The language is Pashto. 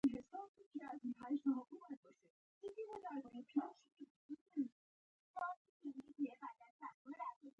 ما غوښتل دا لار بيا په رڼا کې ووينم.